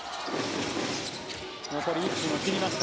残り１分を切りました。